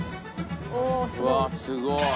うわっすごい！